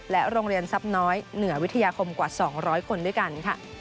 โรงเรียนทรัพย์น้อยเหนือวิทยาคมกว่า๒๐๐คนด้วยกันค่ะ